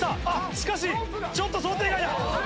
しかしちょっと想定外だ。